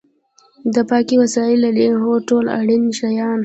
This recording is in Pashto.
د پاکۍ وسایل لرئ؟ هو، ټول اړین شیان